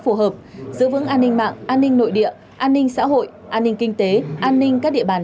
phù hợp giữ vững an ninh mạng an ninh nội địa an ninh xã hội an ninh kinh tế an ninh các địa bàn